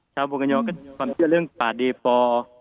ชาวบวกกระยองก็คือความเชื่อเรื่องปลาเดฟอร์